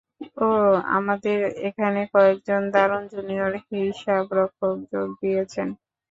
ওহ, আমাদের এখানে কয়েকজন দারুন জুনিয়র হিসাবরক্ষক যোগ দিয়েছেন।